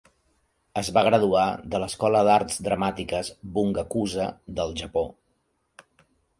Es va graduar de l'Escola d'arts dramàtiques Bungakuza del Japó.